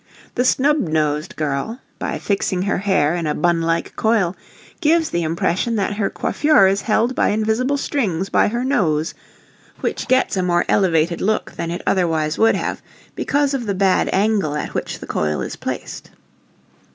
The snubbed nose girl, by fixing her hair in a bun like coil, gives the impression that her coiffure is held by invisible strings by her nose, which gets a more elevated look than it otherwise would have, because of the bad angle at which the coil is placed.